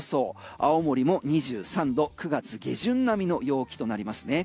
青森も２３度、９月下旬並みの陽気となりますね。